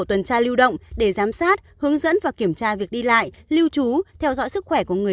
hợp tiêu động để giám sát hướng dẫn và kiểm tra việc đi lại lưu trú theo dõi sức khỏe của người